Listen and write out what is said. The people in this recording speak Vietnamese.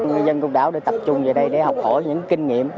người dân công đảo đã tập trung về đây để học hỏi những kinh nghiệm